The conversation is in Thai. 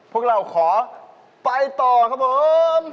พวกเราขอไปต่อครับผม